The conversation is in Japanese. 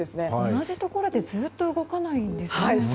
同じところでずっと動かないんですね。